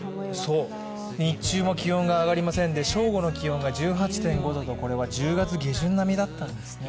日中も気温が上がりませんで正午の気温が１８．５度と、これは１０月下旬並みだったんですね。